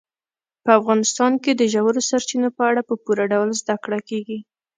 په افغانستان کې د ژورو سرچینو په اړه په پوره ډول زده کړه کېږي.